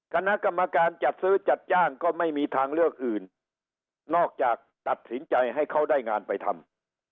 คณะกรรมการจัดซื้อจัดจ้างก็ไม่มีทางเลือกอื่นนอกจากตัดสินใจให้เขาได้งานไปทำ